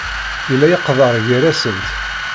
Yella leqder gar-asent.